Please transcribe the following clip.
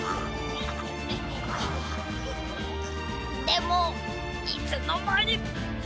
でもいつのまに。